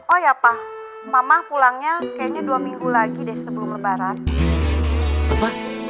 oh ya pak mamah pulangnya kayaknya dua minggu lagi deh sebelum lebaran